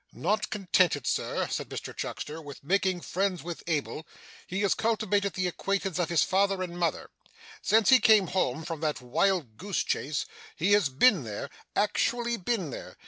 'Not contented, Sir,' said Mr Chuckster, 'with making friends with Abel, he has cultivated the acquaintance of his father and mother. Since he came home from that wild goose chase, he has been there actually been there.